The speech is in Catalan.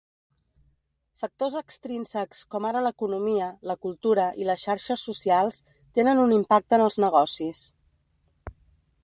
Factors extrínsecs com ara l'economia, la cultura i les xarxes socials tenen un impacte en els negocis.